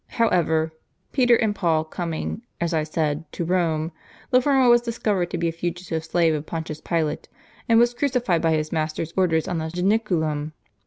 However, Peter and Paul coming, as I said, to Rome, the former was discovered to be a fugitive slave of Pontius Pilate, and was crucified by his master's orders on the Janiculum.